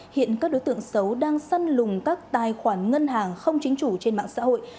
hiện các đối tượng xấu đang săn lùng các tài khoản ngân hàng không chính chủ trên mạng xã hội